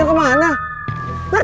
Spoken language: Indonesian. enggak mungkin lah ya acil diani